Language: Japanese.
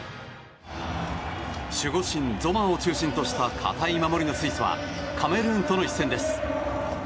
守護神ゾマーを中心とした堅い守りのスイスはカメルーンとの一戦です。